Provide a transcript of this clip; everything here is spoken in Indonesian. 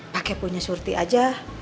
pakai punya surti aja